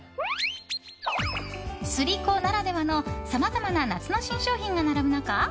スリコならではのさまざまな夏の新商品が並ぶ中